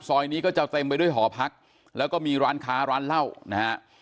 ซอยนี้ก็จะเต็มไปด้วยหอพักแล้วก็มีร้านค้าร้านเหล้านะฮะ